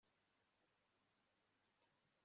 Nshobora kugira fagitire nyamuneka